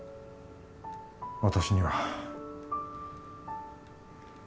私には